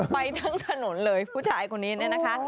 ไปทั้งถนนเลยผู้ชายคนนี้เนี่ยนะคะ